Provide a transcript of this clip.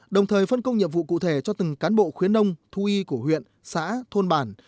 đồng thời phân công nhiệm vụ cụ thể cho từng cán bộ khuyến nông thu y của huyện xã thôn bản